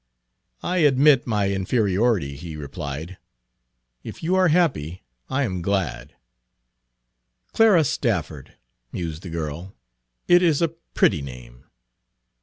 "I admit my inferiority," he replied. "If you are happy I am glad." Page 59 "Clara Stafford," mused the girl. "It is a pretty name."